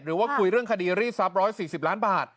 หรือว่าคุยเรื่องคดีรีดทรัพย์๑๔๐ล้านบาท